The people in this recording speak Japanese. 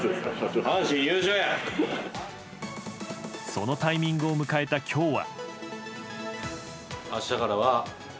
そのタイミングを迎えた今日は。